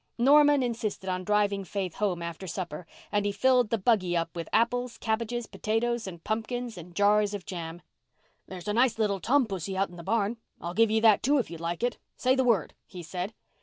Norman insisted on driving Faith home after supper and he filled the buggy up with apples, cabbages, potatoes and pumpkins and jars of jam. "There's a nice little tom pussy out in the barn. I'll give you that too, if you'd like it. Say the word," he said.